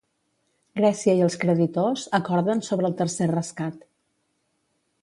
Grècia i els creditors acorden sobre el tercer rescat.